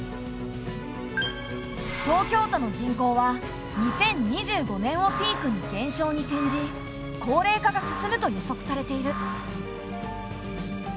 東京都の人口は２０２５年をピークに減少に転じ高齢化が進むと予測されている。